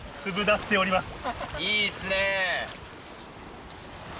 いいですね。